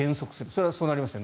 それはそうなりますよね